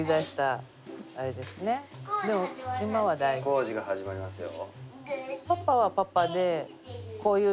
工事が始まりますよ。